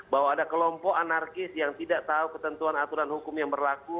bahwa ada kelompok anarkis yang tidak tahu ketentuan aturan hukum yang berlaku